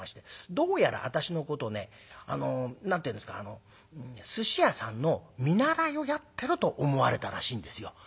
どうやら私のことね何て言うんですかすし屋さんの見習いをやってると思われたらしいんですよ。